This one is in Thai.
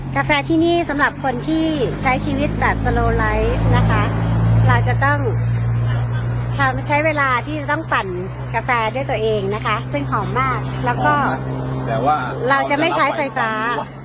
กาแฟที่นี่สำหรับคนที่ใช้ชีวิตแบบสโลไลท์นะคะเราจะต้องใช้เวลาที่จะต้องปั่นกาแฟด้วยตัวเองนะคะซึ่งหอมมากแล้วก็แปลว่าเราจะไม่ใช้ไฟฟ้า